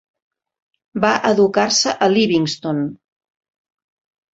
Va educar-se a Livingston.